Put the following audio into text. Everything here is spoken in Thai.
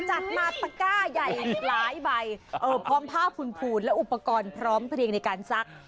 จัดมาตะก้าใหญ่หลายใบพร้อมผ้าพูนและอุปกรณ์พร้อมเพลียงในการซัก